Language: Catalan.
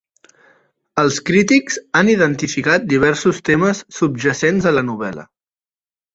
Els crítics han identificat diversos temes subjacents a la novel·la.